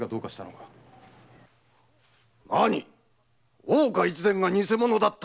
何⁉大岡越前が偽者だった？